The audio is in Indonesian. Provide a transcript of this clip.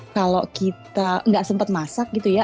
kalau kita nggak sempat masak gitu ya